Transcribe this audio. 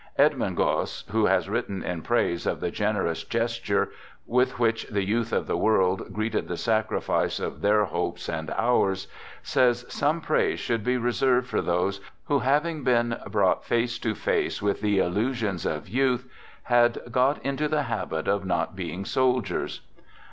Edmund Gosse, who has written in praise of " the generous gesture," with which the youth of the world " greeted the sacrifice of their hopes and ours," says some praise should be reserved for those who having been brought face to face with the illusions of youth, had " got into the habit of not being soldiers."